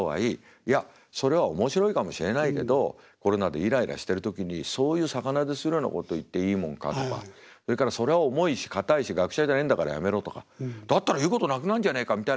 いやそれは面白いかもしれないけどコロナでいらいらしてる時にそういう逆なでするようなことを言っていいもんか」とかそれから「そりゃ重いし硬いし学者じゃねえんだからやめろ」とか「だったら言うことなくなるじゃねえか」